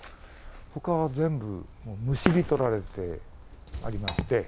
ほかは全部、むしり取られてありまして。